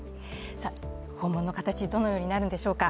訪問の形、どのようになるのでしょうか。